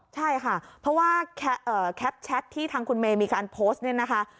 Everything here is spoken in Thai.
ใช่ค่ะเพราะว่าแคปแชทที่ทางคุณเมย์มีการโพสต์เนี่ยนะคะ